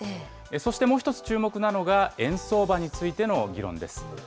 そしてもう一つ注目なのが、円相場についての議論です。